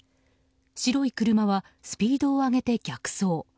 白い車は、スピードを上げて逆走。